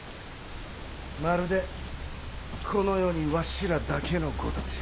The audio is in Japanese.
まるでこの世にわしらだけのごとくじゃ。